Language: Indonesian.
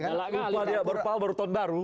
galak galik berpau beruton baru